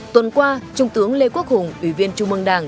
tuần qua trung tướng lê quốc hùng ủy viên trung mương đảng